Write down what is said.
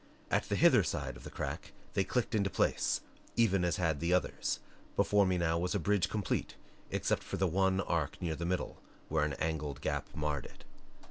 At the hither side of the crack they clicked into place, even as had the others. Before me now was a bridge complete except for the one arc near the middle where an angled gap marred it.